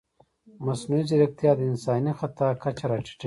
مصنوعي ځیرکتیا د انساني خطا کچه راټیټوي.